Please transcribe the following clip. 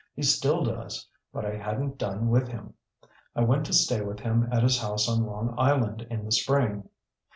He still does. But I hadn't done with him. I went to stay with him at his house on Long Island in the spring.